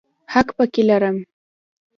حق پکې لرم.